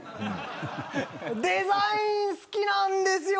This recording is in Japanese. デザイン好きなんですよ。